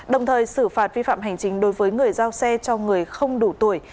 đồng thời xử phạt vi phạm hành chính đối với người giao xe cho người không đủ tuổi